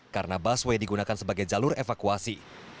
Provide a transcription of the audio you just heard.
karena busway digunakan sebagai jalur evakuasi